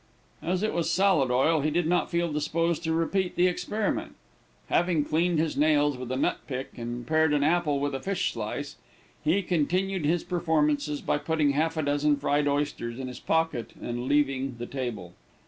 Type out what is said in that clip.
As it was salad oil, he did not feel disposed to repeat the experiment. Having cleaned his nails with a nut pick, and pared an apple with a fish slice, he concluded his performances by putting half a dozen fried oysters in his pocket and leaving the table.